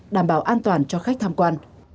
đảm bảo an toàn cho khách tham quan